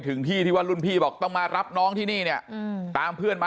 ถึงที่ที่ว่ารุ่นพี่บอกต้องมารับน้องที่นี่เนี่ยตามเพื่อนมา